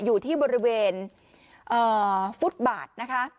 อยู่ที่บริเวณฟุตบาทนะคะ